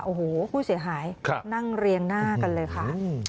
โอ้โหผู้เสียหายนั่งเรียงหน้ากันเลยค่ะ